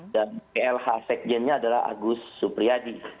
dan plh sekjennya adalah agus supriyadi